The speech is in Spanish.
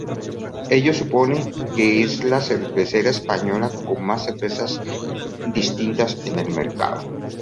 Ello supone que es la cervecera española con más cervezas distintas en el mercado.